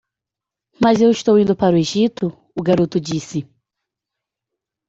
"Mas eu estou indo para o Egito?" o garoto disse.